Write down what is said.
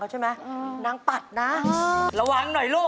แฟนเน็ตเลาง